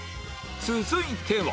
続いては